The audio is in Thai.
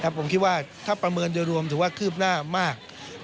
ผมคิดว่าถ้าประเมินโดยรวมถือว่าคืบหน้ามาก